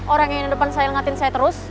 orang yang di depan saya ingatin saya terus